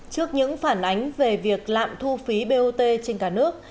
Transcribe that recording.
trước những phản ánh về việc lạm thu phí bot trên cả nước